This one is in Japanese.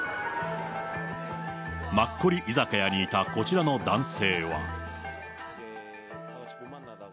マッコリ居酒屋にいたこちらの男性は。